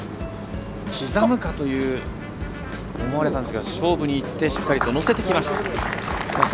刻むかと思われたんですが勝負にいってしっかりと乗せてきました。